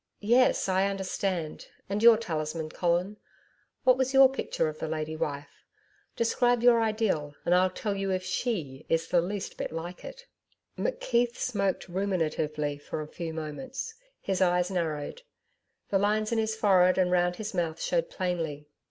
'Yes I understand. And your talisman, Colin? What was your picture of the lady wife? Describe your Ideal and I'll tell you if SHE is the least bit like it.' McKeith smoked ruminatively for a few moments, his eyes narrowed. The lines in his forehead and round his mouth showed plainly.